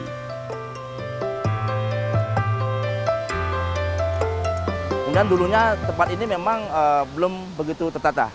kemudian dulunya tempat ini memang belum begitu tertata